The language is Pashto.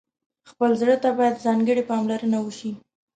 خپل زړه ته باید ځانګړې پاملرنه وشي.